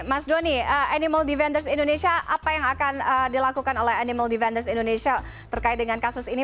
mas doni animal defenders indonesia apa yang akan dilakukan oleh animal defenders indonesia terkait dengan kasus ini